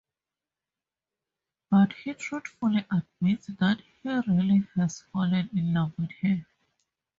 But he truthfully admits that he really has fallen in love with her.